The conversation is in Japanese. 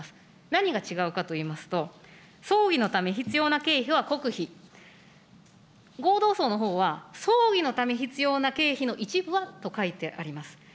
何が違うかといいますと、葬儀のため必要な経費は国費、合同葬のほうは、葬儀のため必要な経費の一部はと書いてあります。